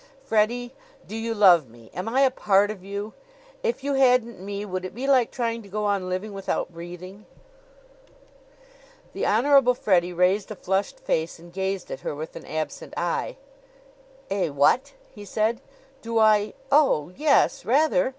"Freddie, do you love me? Am I a part of you? If you hadn't me would it be like trying to go on living without breathing?" The Honorable Freddie raised a flushed face and gazed at her with an absent eye. "Eh? What?" he said. "Do I Oh; yes, rather!